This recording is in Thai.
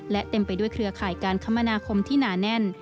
และเต็มไปด้วยเครือข่ายการคมนาคมที่หนาแน่น